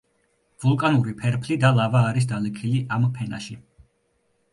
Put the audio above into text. ვულკანური ფერფლი და ლავა არის დალექილი ამ ფენაში.